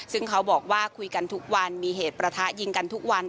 ซึ่งเขาบอกว่าคุยกันทุกวันมีเหตุประทะยิงกันทุกวัน